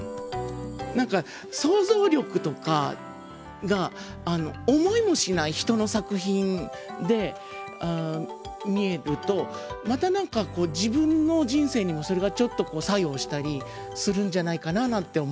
何か想像力とかが思いもしない人の作品で見えるとまた何か自分の人生にもそれがちょっと作用したりするんじゃないかななんて思いました。